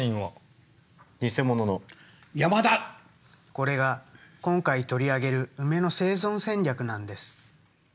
これが今回取り上げるウメの生存戦略なんです。